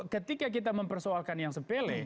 ketika kita mempersoalkan yang sepele